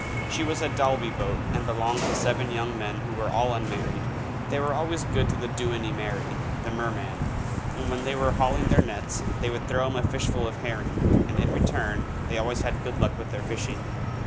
She was a Dalby boat and belonged to seven young men who were all unmarried. They were always good to the Dooinney Marrey, the Merman, and when they were hauling their nets they would throw him a dishful of herring, and in return they had always good luck with their fishing.